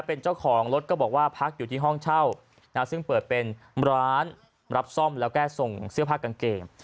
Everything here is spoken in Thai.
เป็นเจ้าของรถก็บอกว่าพักอยู่ที่ห้องเช่าซึ่งเปิดเป็นร้านรับซ่อมแล้วก็ส่งเสื้อผ้ากางเกง